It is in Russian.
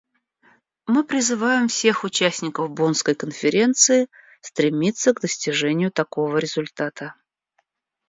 Мы призываем всех участников Боннской конференции стремиться к достижению такого результата.